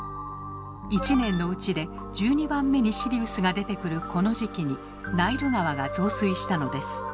１年のうちで１２番目にシリウスが出てくるこの時期にナイル川が増水したのです。